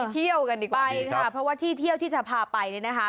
เที่ยวกันดีกว่าไปค่ะเพราะว่าที่เที่ยวที่จะพาไปเนี่ยนะคะ